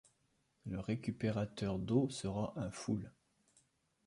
le récupérateur d'eau sera un full